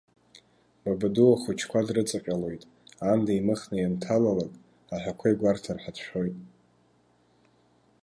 Бабаду ахәыҷқәа дрыҵаҟьалоит, аанда еимыхны ианҭалалак, аҳәақәа игәарҭар ҳәа дшәоит.